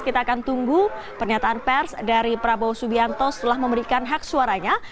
kita akan tunggu pernyataan pers dari prabowo subianto setelah memberikan hak suaranya